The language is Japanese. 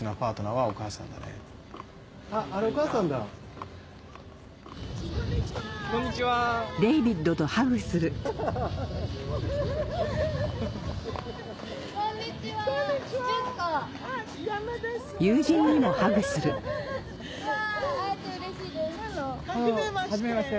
はじめまして。